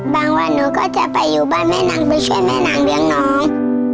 วันหนูก็จะไปอยู่บ้านแม่นางไปช่วยแม่นางเลี้ยงน้อง